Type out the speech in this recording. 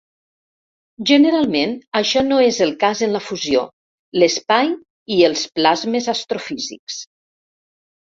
Generalment això no és el cas en la fusió, l'espai i els plasmes astrofísics.